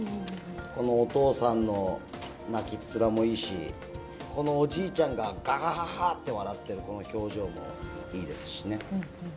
このお父さんの泣きっ面もいいし、このおじいちゃんが、がはははって笑ってるこの表情もいいですしね。